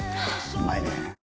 うまいねぇ。